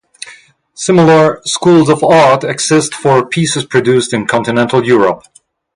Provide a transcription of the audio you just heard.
Similar "schools of art" exist for pieces produced in continental Europe.